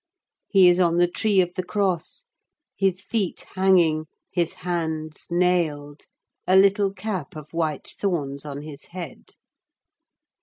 'He is on the tree of the Cross, his feet hanging, his hands nailed, a little cap of white thorns on his head.